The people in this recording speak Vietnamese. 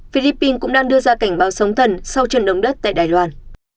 philippines cũng đang đưa ra cảnh báo sống thần sau trận động đất tại đài loan